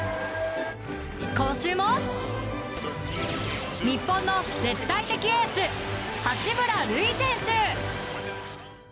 今週も日本の絶対的エース八村塁選手！